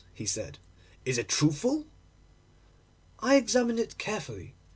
he said; 'is it truthful?' I examined it carefully.